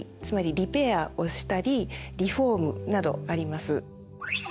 つまりリペアをしたりリフォームなどあります。